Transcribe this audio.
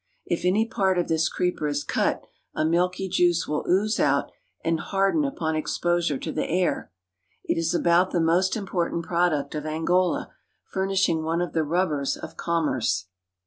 If any part of this creeper is cut, a milky juice will ooze out and harden upon exposure to the air. It is about the most important product of Angola, furnishing one of the rubbers of commerce.